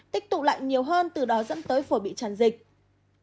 tích tụ lại nhiều hơn từ đó dẫn tới phổi bị tràn dịch